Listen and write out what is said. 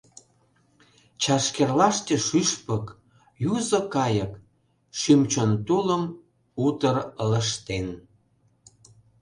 Чашкерлаште шӱшпык — юзо кайык — Шӱм-чон тулым утыр ылыжтен.